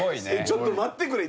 ちょっと待ってくれ。